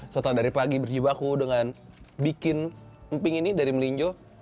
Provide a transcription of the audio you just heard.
setelah dari pagi berjibaku dengan bikin emping ini dari melinjo